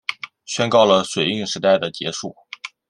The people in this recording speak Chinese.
宣告了水运时代的结束